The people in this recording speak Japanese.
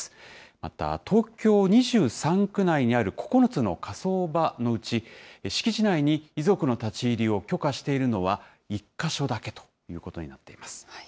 また、東京２３区内にある９つの火葬場のうち、敷地内に遺族の立ち入りを許可しているのは、１か所だけということになっています。